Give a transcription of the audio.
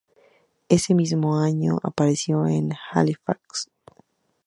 Ese mismo año apareció en "Halifax f.p.